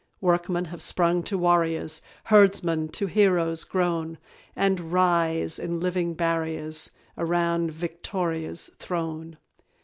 Workmen have sprung to warriors, Herdsmen to heroes grown, And rise, in living barriers, Around VICTORIA'S throne.